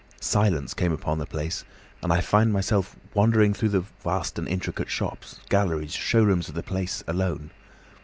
Silence came upon the place, and I found myself wandering through the vast and intricate shops, galleries, show rooms of the place, alone.